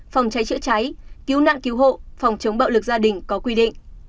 phòng cháy chữa cháy cứu nạn cứu hộ phòng chống bạo lực gia đình có quy định